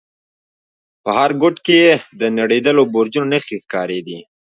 په هر گوټ کښې يې د نړېدلو برجونو نخښې ښکارېدې.